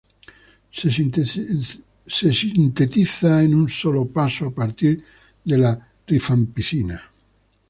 Se sintetiza en un solo paso a partir de la rifampicina.